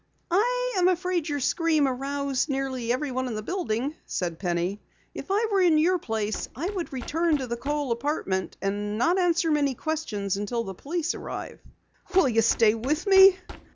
"I am afraid your scream aroused nearly everyone in the building," said Penny. "If I were in your place I would return to the Kohl apartment and not answer many questions until the police arrive." "Will you stay with me?"